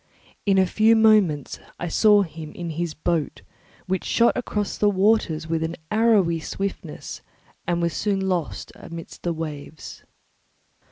In a few moments I saw him in his boat, which shot across the waters with an arrowy swiftness and was soon lost amidst the waves.